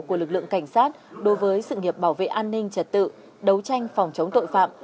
của lực lượng cảnh sát đối với sự nghiệp bảo vệ an ninh trật tự đấu tranh phòng chống tội phạm